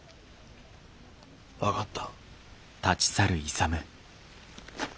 分かった。